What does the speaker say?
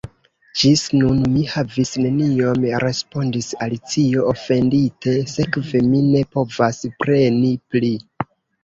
"Ĝis nun mi havis neniom," respondis Alicio, ofendite, "sekve mi ne povas preni pli."